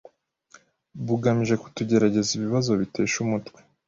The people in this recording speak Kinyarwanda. bugamije kutugerageza ibibazo bitesha umutwe